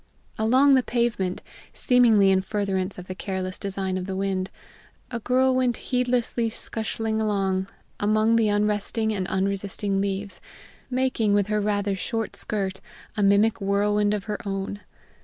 Along the pavement, seemingly in furtherance of the careless design of the wind, a girl went heedlessly scushling along among the unresting and unresisting leaves, making with her rather short skirt a mimic whirlwind of her own.